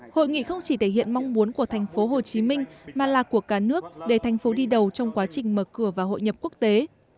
hội nghị không chỉ thể hiện mong muốn của tp hcm mà là của cả nước để tp hcm đi đầu trong quá trình mở cửa và hội nhập quốc tế